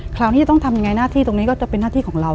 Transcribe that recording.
คราวนี้จะต้องทำยังไงหน้าที่ตรงนี้ก็จะเป็นหน้าที่ของเรา